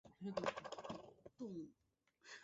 卡氏合跳蛛为跳蛛科合跳蛛属的动物。